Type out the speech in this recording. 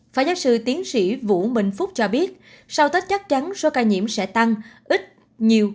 phó giáo sư tiến sĩ vũ minh phúc cho biết sau tết chắc chắn số ca nhiễm sẽ tăng ít nhiều